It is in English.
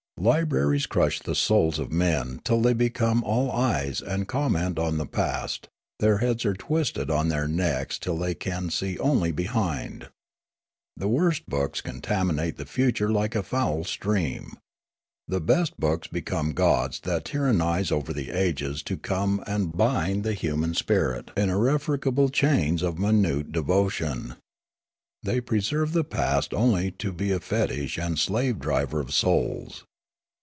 Libraries crush the souls of men till they become all eyes and comment on the past ; their heads are twisted on their necks till they can see onl}^ behind. The worst books contaminate the future like a foul stream. The best books become gods that tyrannise over the ages to come and bind the human spirit in irrefragable chains of minute devotion. They preserve the past only to be a fetish and slave driver of souls.